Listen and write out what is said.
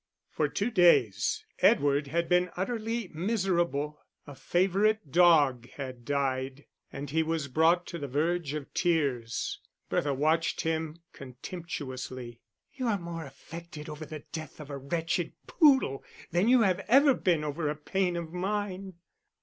For two days Edward had been utterly miserable; a favourite dog had died, and he was brought to the verge of tears. Bertha watched him contemptuously. "You are more affected over the death of a wretched poodle than you have ever been over a pain of mine."